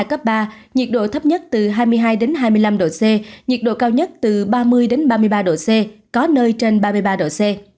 gió đông bắc cấp ba nhiệt độ thấp nhất từ hai mươi hai đến hai mươi năm độ c nhiệt độ cao nhất từ ba mươi đến ba mươi ba độ c có nơi trên ba mươi ba độ c